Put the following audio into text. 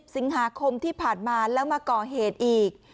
สิงหาคมที่ผ่านมาแล้วมาก่อเหตุอีก